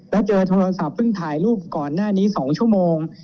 แล้วเจอโทรศัพท์เพิ่งถ่ายรูปก่อนหน้านี้๒ชั่วโมง